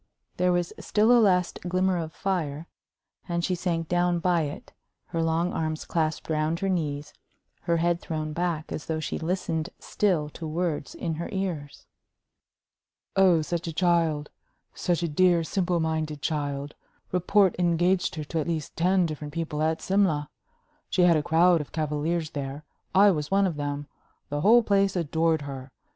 There was still a last glimmer of fire, and she sank down by it, her long arms clasped round her knees, her head thrown back as though she listened still to words in her ears. "Oh, such a child! Such a dear, simple minded child! Report engaged her to at least ten different people at Simla. She had a crowd of cavaliers there I was one of them. The whole place adored her.